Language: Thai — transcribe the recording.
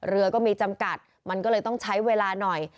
เรือก็มีจำกัดมันก็เลยต้องใช้เวลาหน่อย